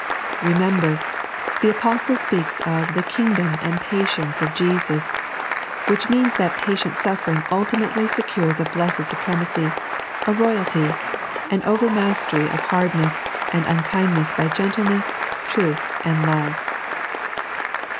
Bemember, the Apostle speaks of "the kingdom and patience of Jesus," which means tbat patient sufiering oltimately secures a blessed supremacy, a royalty, an overmastery of hardness and unkindness by gentleness, truth, and love.